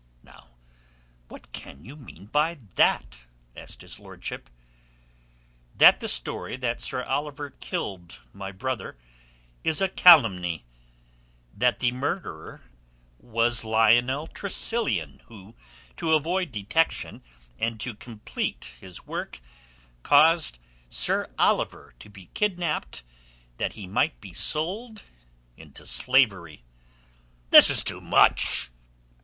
"Now what can you mean by that?" asked his lordship. "That the story that Sir Oliver killed my brother is a calumny; that the murderer was Lionel Tressilian, who, to avoid detection and to complete his work, caused Sir Oliver to be kidnapped that he might be sold into slavery." "This is too much!"